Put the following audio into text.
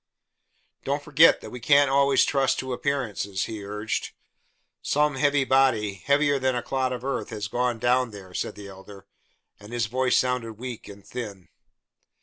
"Don't forget that we can't always trust to appearances," he urged. "Some heavy body heavier than a clod of earth, has gone down there," said the Elder, and his voice sounded weak and thin.